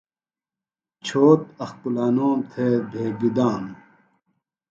چھوت اخپُلانوم تھےۡ بھیگیۡ دانوۡ۔